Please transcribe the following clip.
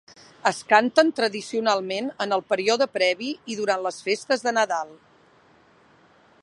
Es canten tradicionalment en el període previ i durant les festes de Nadal.